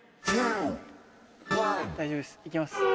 大丈夫ですいけます。